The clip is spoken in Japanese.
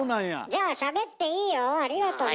じゃあしゃべっていいよ。ありがとね。